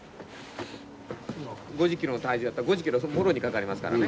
５０キロの体重やったら５０キロもろにかかりますからね。